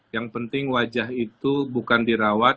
yang penting wajah itu bukan dirawat